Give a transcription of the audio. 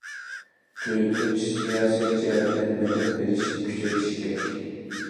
تۆتىنچى، سىياسەت جەھەتتە مەدەت بېرىشنى كۈچەيتىش كېرەك.